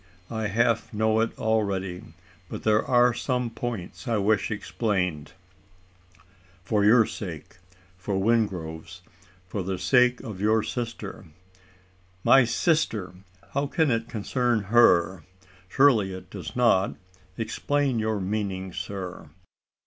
I half know it already; but there are some points I wish explained for your sake for Wingrove's for the sake of your sister " "My sister! how can it concern her? Surely it does not? Explain your meaning, sir."